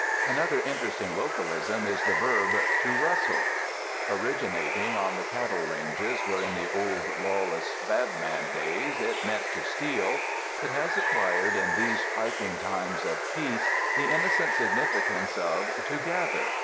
Another interesting localism is the verb "to rustle." Originating on the cattle ranges, where in the old, lawless "bad man" days it meant "to steal, '' it has acquired in these piping times of peace the innocent significance of "to gather."